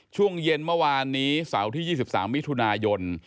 ช่วงเย็นเมื่อวานนี้เสาร์ที่๒๓มิถุนายน